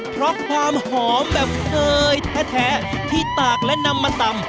เพราะความหอมแบบเนยแท้ที่ตากและนำมาตำ